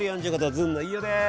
ずんの飯尾です。